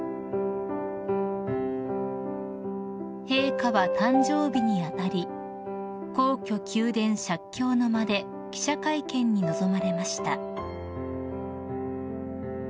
［陛下は誕生日に当たり皇居宮殿石橋の間で記者会見に臨まれました］